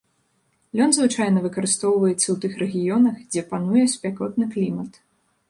Лён звычайна выкарыстоўваецца ў тых рэгіёнах, дзе пануе спякотны клімат.